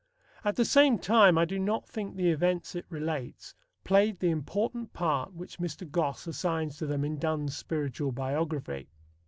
At the same time, I do not think the events it relates played the important part which Mr. Gosse assigns to them in Donne's spiritual biography.